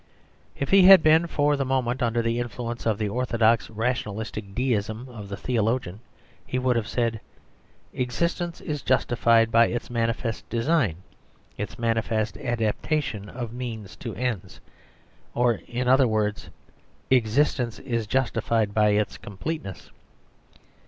If he had been for the moment under the influence of the orthodox rationalistic deism of the theologian he would have said, "Existence is justified by its manifest design, its manifest adaptation of means to ends," or, in other words, "Existence is justified by its completeness."